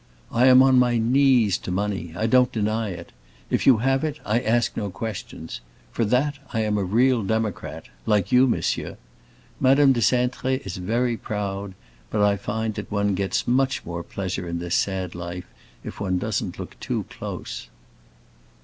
I am on my knees to money; I don't deny it. If you have it, I ask no questions. For that I am a real democrat—like you, monsieur. Madame de Cintré is very proud; but I find that one gets much more pleasure in this sad life if one doesn't look too close."